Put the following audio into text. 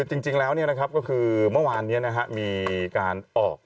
จริงแล้วก็คือเมื่อวานนี้มีการออก